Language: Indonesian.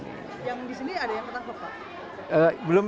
yang di sini ada yang tetap lepas